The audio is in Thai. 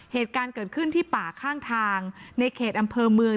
เหตุการณ์เกิดขึ้นที่ป่าข้างทางในเขตอำเภอเมือง